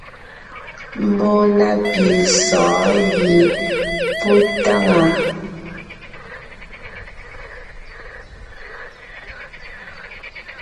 Mbɔɔ na pì sɔ̌ɔn gẅie pɔ́ táŋaa.